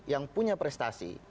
yang punya prestasi